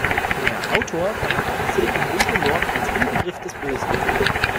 Der Autor charakterisiert den dunklen Lord als Inbegriff des Bösen.